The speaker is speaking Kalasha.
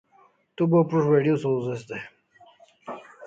Te bo prus't video sawzen day